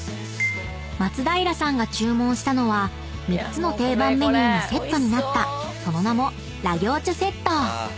［松平さんが注文したのは３つの定番メニューがセットになったその名も］